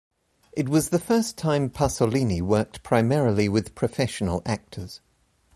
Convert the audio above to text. It was the first time Pasolini worked primarily with professional actors.